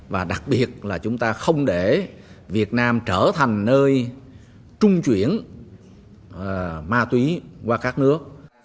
và đặc biệt là chúng ta không để việt nam trở thành nơi trung chuyển ma túy qua các nước